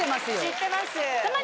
知ってます。